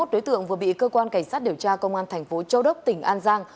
hai mươi đối tượng vừa bị cơ quan cảnh sát điều tra công an thành phố châu đốc tỉnh an giang